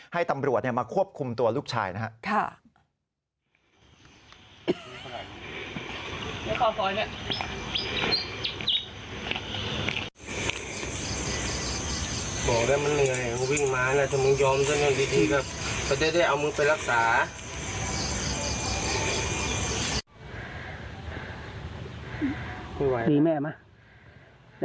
ให้ตำรวจมาควบคุมตัวลูกชายนะครับ